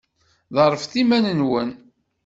Ḍerrfet iman-nwen.